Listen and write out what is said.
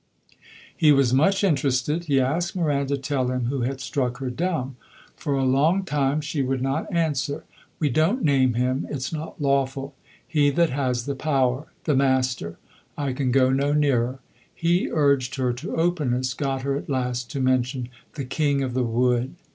He was much interested. He asked Miranda to tell him who had struck her dumb. For a long time she would not answer. "We don't name him it's not lawful. He that has the power the Master I can go no nearer." He urged her to openness, got her at last to mention "The King of the Wood."